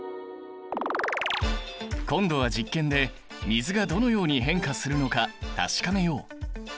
今度は実験で水がどのように変化するのか確かめよう！